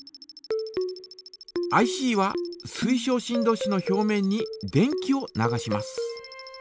ＩＣは水晶振動子の表面に電気を流します。